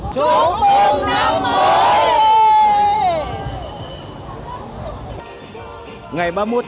chúc mừng năm mới